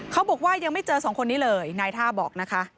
เขาบอกว่ายังไม่เจอสองคนนี้เลยนายท่าบอกนะคะ